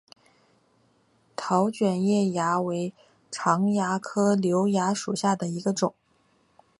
桃卷叶蚜为常蚜科瘤蚜属下的一个种。